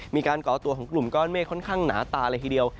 ก่อตัวของกลุ่มก้อนเมฆค่อนข้างหนาตาเลยทีเดียว